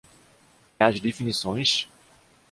E as definições?